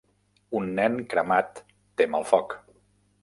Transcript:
Un nen cremat tem el foc